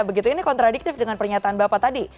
begitu ini kontradiktif dengan pernyataan bapak tadi